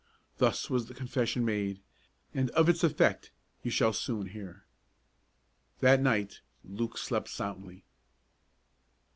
Thus was the confession made, and of its effect you shall soon hear. That night Luke slept soundly.